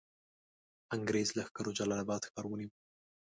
انګرېز لښکرو جلال آباد ښار ونیوی.